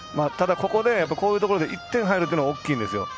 こういうところで１点入るというのは大きいんですよ。